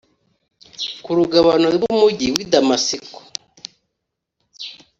ku rugabano rw umugi w i Damasiko